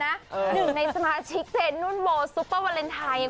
หนึ่งในสมาชิกเจนนุ่นโบซุปเปอร์วาเลนไทย